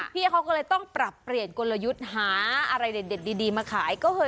พี่เขาก็เลยต้องปรับเปลี่ยนกลยุทธ์หาอะไรเด็ดดีมาขาย